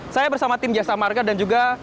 saya bersama tim jasa marga dan juga